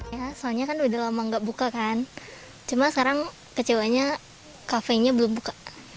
ya soalnya kan udah lama nggak buka kan cuma sekarang kecewanya kafenya belum buka